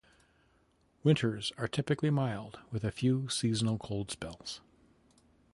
Winters are typically mild with a few seasonable cold spells.